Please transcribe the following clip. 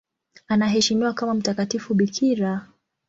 Anaheshimiwa kama mtakatifu bikira.